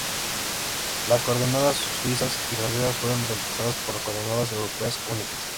Las coordenadas suizas y francesas fueron reemplazadas por coordenadas europeas únicas.